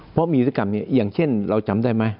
เพราะมีพฤติกรรมนี้อย่างเช่นเราจำได้ไหม